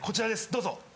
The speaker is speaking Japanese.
どうぞ。